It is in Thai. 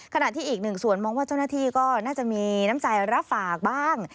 ขณะที่อีกหนึ่งส่วนมองว่าเจ้าหน้าที่ก็น่าจะมีน้ำใจรับฝากบ้าง